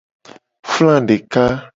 Fla deka.